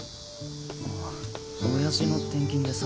ああオヤジの転勤でさ。